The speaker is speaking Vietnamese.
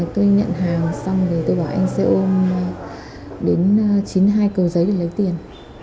tôi nhận hàng xong thì tôi bảo anh xe ôm đến chín hai cầu giấy để lấy tiền